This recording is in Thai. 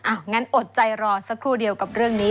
งั้นอดใจรอสักครู่เดียวกับเรื่องนี้